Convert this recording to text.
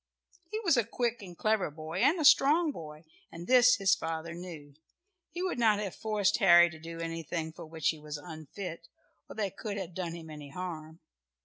He was a quick and clever boy, and a strong boy, and this his father knew. He would not have forced Harry to do anything for which he was unfit, or that could have done him any harm.